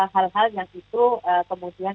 hal hal yang itu kemudian